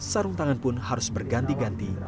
sarung tangan pun harus berganti ganti